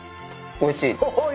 おいしい？